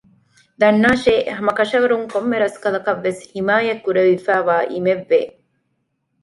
ދަންނާށޭ ހަމަކަށަވަރުން ކޮންމެ ރަސްކަލަކަށް ވެސް ޙިމާޔަތް ކުރެވިފައިވާ އިމެއް ވޭ